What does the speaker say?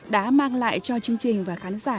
đã mang lại cho chương trình và khán giả